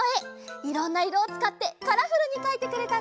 いろんないろをつかってカラフルにかいてくれたね！